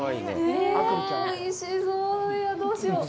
おいしそう。